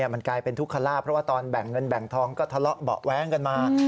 มันกลายเป็นทุกขลาบเพราะว่าตอนแบ่งเงินแบ่งทองก็ทะเลาะเบาะแว้งกันมา